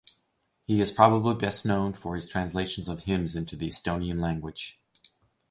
He is probably best known for his translations of hymns into the Estonian language.